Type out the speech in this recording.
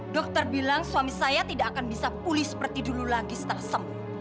dokter bilang suami saya tidak akan bisa pulih seperti dulu lagi starsem